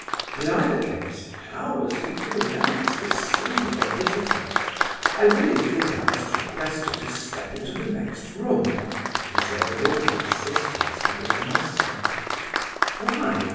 In either case, how was he to announce this singular visitor? "I really think I must request you to step into the next room!" he said, with all the insistence he could muster. "Why?